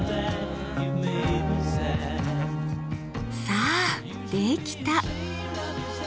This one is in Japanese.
さあできた！